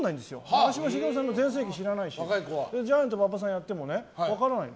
長嶋茂雄さんの全盛期知らないしジャイアント馬場さんやっても分からない。